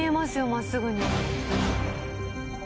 真っすぐに。